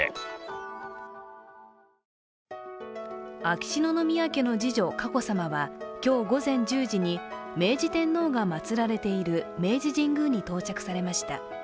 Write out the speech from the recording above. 秋篠宮家の次女・佳子さまは今日午前１０時に明治天皇がまつられている明治神宮に到着されました。